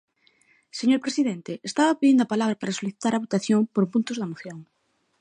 Señor presidente, estaba pedindo a palabra para solicitar a votación por puntos da moción.